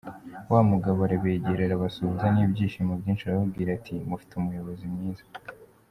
Wa mugabo arabegera, arabasuhuza n’ibyishimo byinshi, arababwira ati ”Mufite umuyobozi mwiza.